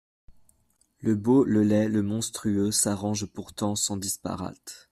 Le beau, le laid, le monstrueux, s'arrangent pourtant sans disparate.